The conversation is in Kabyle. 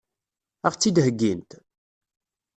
Ad ɣ-tt-id-heggint?